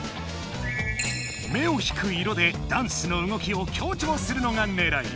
目を引く色でダンスの動きを強調するのがねらい。